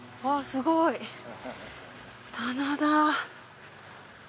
すごい棚田。